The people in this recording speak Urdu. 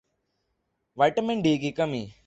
وٹامن ڈی کی کمی